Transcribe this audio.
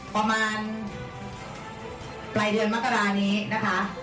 ก่อนลุกไปหมดแล้วอ่ะ